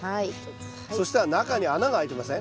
そしたら中に穴が開いてません？